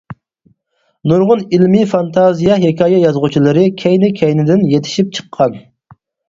نۇرغۇن ئىلمىي فانتازىيە ھېكايە يازغۇچىلىرى كەينى-كەينىدىن يېتىشىپ چىققان.